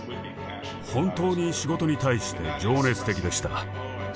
本当に仕事に対して情熱的でした。